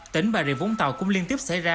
tỉnh bà rịa vũng tàu cũng liên tiếp xảy ra